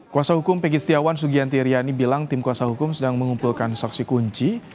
kuasa hukum pegi setiawan sugianti riani bilang tim kuasa hukum sedang mengumpulkan saksi kunci